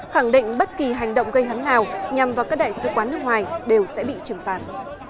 khẳng định bất kỳ hành động gây hấn nào nhằm vào các đại sứ quán nước ngoài đều sẽ bị trừng phạt